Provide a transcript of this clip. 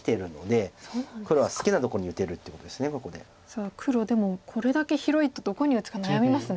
さあ黒でもこれだけ広いとどこに打つか悩みますね。